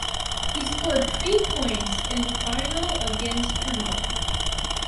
He scored three points in the final against Termon.